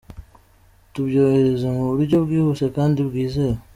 Tubyohereza mu buryo bwihuse kandi bwizewe.